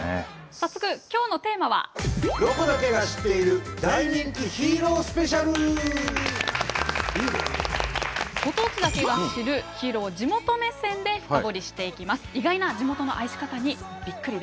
早速ご当地だけが知るヒーローを地元目線で深掘りしていきます。